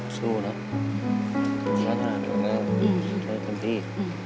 สู้นะสู้ขนาดนั้นนะเธอเป็นพี่